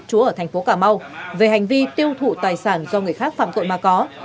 chúa ở thành phố cà mau về hành vi tiêu thụ tài sản do nguyễn trí cường